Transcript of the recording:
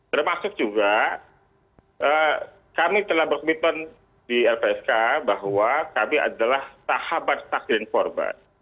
termasuk juga kami telah berkomitmen di lpsk bahwa kami adalah sahabat takdirin korban